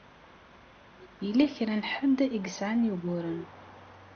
Yella kra n ḥedd i yesɛan uguren.